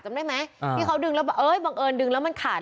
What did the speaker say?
จำได้ไหมที่เขาดึงแล้วบังเอิญบังเอิญดึงแล้วมันขาด